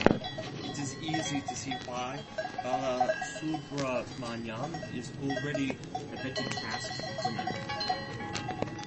It is easy to see why Balasubramanyam is already and Betty Trask Winner'.